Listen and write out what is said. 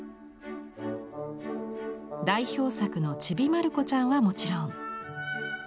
代表作の「ちびまる子ちゃん」はもちろん。